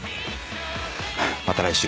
また来週。